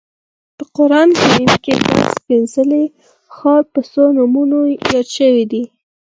په قران کریم کې دا سپېڅلی ښار په څو نومونو یاد شوی دی.